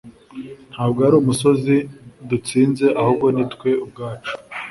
ntabwo ari umusozi dutsinze ahubwo ni twe ubwacu